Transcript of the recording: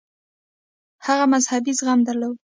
هغه مذهبي زغم درلود.